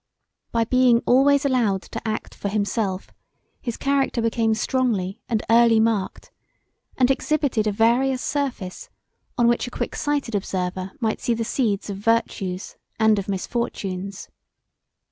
By being always allowed to act for himself his character became strongly and early marked and exhibited a various surface on which a quick sighted observer might see the seeds of virtues and of misfortunes.